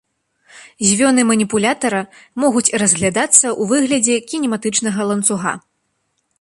Звёны маніпулятара могуць разглядацца ў выглядзе кінематычнага ланцуга.